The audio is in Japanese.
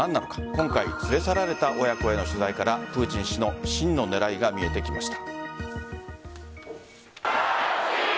今回連れ去られた親子への取材からプーチン氏の真の狙いが見えてきました。